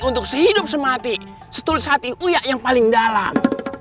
untuk sehidup semati setulis hati uya yang paling dalam